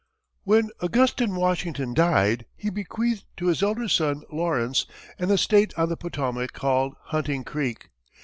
When Augustine Washington died, he bequeathed to his elder son, Lawrence, an estate on the Potomac called Hunting Creek.